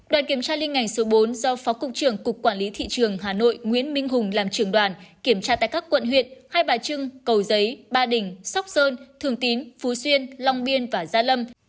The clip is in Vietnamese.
đoàn kiểm tra liên ngành số bốn do phó cục trưởng cục quản lý thị trường hà nội nguyễn minh hùng làm trưởng đoàn kiểm tra tại các quận huyện hai bà trưng cầu giấy ba đình sóc sơn thường tín phú xuyên long biên và gia lâm